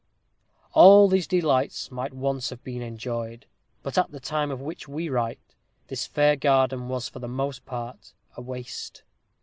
_ All these delights might once have been enjoyed. But at the time of which we write, this fair garden was for the most part a waste.